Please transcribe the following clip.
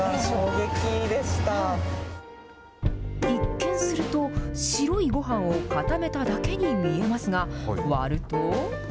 一見すると、白いごはんを固めただけに見えますが、割ると。